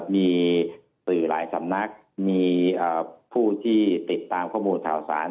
มีสื่อหลายสำนักมีผู้ที่ติดตามข้อมูลข่าวสาร